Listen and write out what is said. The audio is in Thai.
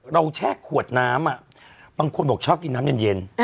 แช่ขวดน้ำบางคนบอกชอบกินน้ำเย็น